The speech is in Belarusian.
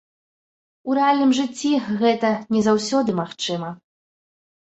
У рэальным жыцці гэта не заўсёды магчыма.